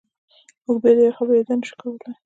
موږ بیا د یوې خبرې ادعا نشو کولای.